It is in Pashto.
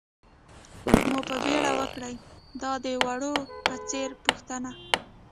مو په بېړه وکړئ، دا د وړو په څېر پوښتنه.